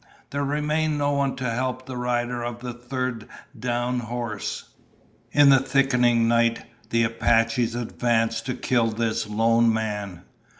There remained no one to help the rider of the third downed horse. In the thickening night, the Apaches advanced to kill this lone man.